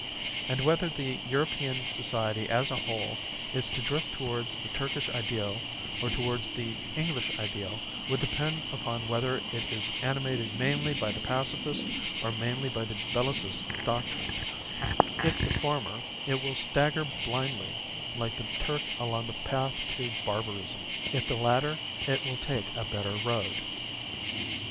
And whether the European society as a whole is to drift towards the Turkish ideal or towards the English ideal will depend upon whether it is animated mainly by the Pacifist or mainly by the Bellicist doctrine; if the former, it will stagger blindly like the Turk along the path to barbarism; if the latter, it will take a better road.